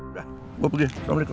udah gua pergi assalamualaikum